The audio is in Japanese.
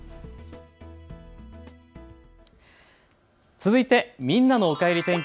続いてみんなのおかえり天気。